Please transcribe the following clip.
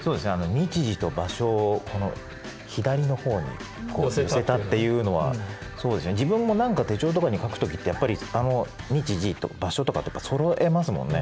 日時と場所を左の方に寄せたっていうのは自分も何か手帳とかに書く時ってやっぱり日時と場所とかって揃えますもんね